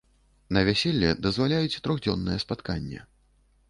На вяселле дазваляюць трохдзённае спатканне.